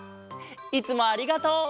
いつもありがとう！